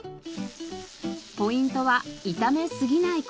ポイントは炒めすぎない事。